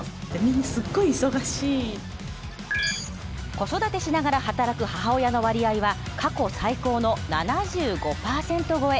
子育てしながら働く母親の割合は過去最高の７５％超え。